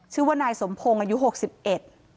ชื่อว่านายสมพงศ์อายุหกสิบเอ็ด